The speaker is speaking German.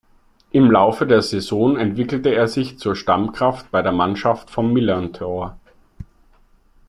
Im Laufe der Saison entwickelte er sich zur Stammkraft bei der Mannschaft vom Millerntor.